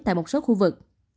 tại một số khu vực